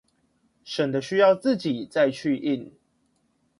省得需要自己再去印